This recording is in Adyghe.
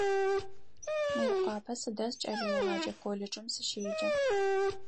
Мыекъуапэ сыдэс, кӏэлэегъэджэ колледжым сыщеджэ.